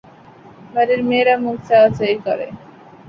বাড়ির মেয়েরা মুখ চাওয়াচাওয়ি করে।